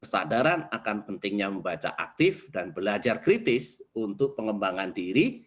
kesadaran akan pentingnya membaca aktif dan belajar kritis untuk pengembangan diri